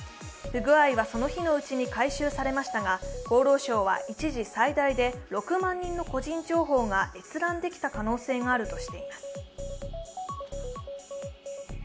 不具合はその日のうちに改修されましたが厚労省は一時最大で６万人の個人情報が閲覧できた可能性があるとしています。